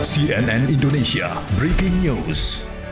cnn indonesia breaking news